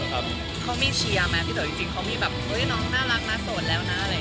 ค่ะค่ะนะอ่ะนะตอนนี้มีฝนด้วยฮะ